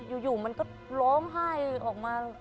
ยูยูมันก็ร้องไห้นึงออกมา